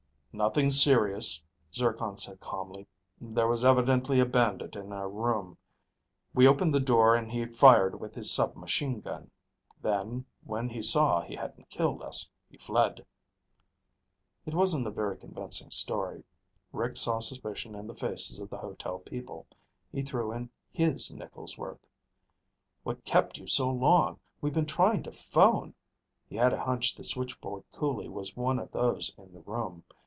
"Nothing serious," Zircon said calmly. "There was evidently a bandit in our room. We opened the door and he fired with his submachine gun. Then, when he saw he hadn't killed us, he fled." It wasn't a very convincing story. Rick saw suspicion in the faces of the hotel people. He threw in his nickel's worth. "What kept you so long? We've been trying to phone." He had a hunch the switchboard coolie was one of those in the room.